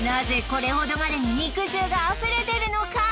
これほどまでに肉汁があふれでるのか？